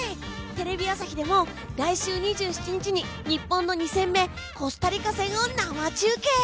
テレビ朝日でも来週２７日に日本の２戦目コスタリカ戦を生中継！